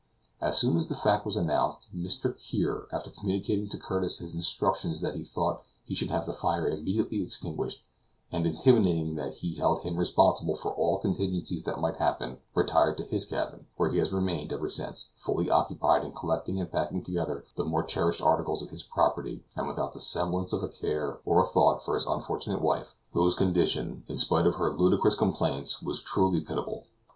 As soon as the fact was announced, Mr. Kear, after communicating to Curtis his instructions that he thought he should have the fire immediately extinguished, and intimating that he held him responsible for all contingencies that might happen, retired to his cabin, where he has remained ever since, fully occupied in collecting and packing together the more cherished articles of his property and without the semblance of a care or a thought for his unfortunate wife, whose condition, in spite of her ludicrous complaints, was truly pitiable.